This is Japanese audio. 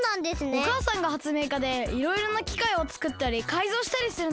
おかあさんがはつめいかでいろいろなきかいをつくったりかいぞうしたりするのがとくいなんだよ。